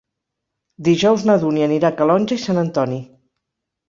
Dijous na Dúnia anirà a Calonge i Sant Antoni.